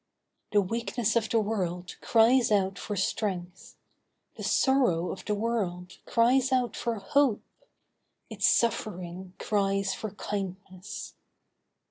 The weakness of the world cries out for strength. The sorrow of the world cries out for hope. Its suffering cries for kindness.